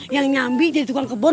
yang nyambi jadi juragan kebon